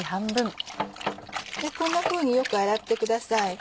こんなふうによく洗ってください。